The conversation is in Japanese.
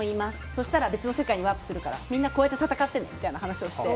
そしたら別の世界にワープするからみんなこうやって戦ってねみたいな話をして。